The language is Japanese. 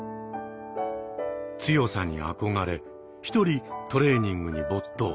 強さに憧れ一人トレーニングに没頭。